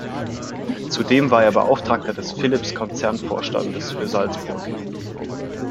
Zudem war er Beauftragter des Philips-Konzernvorstandes für Salzburg.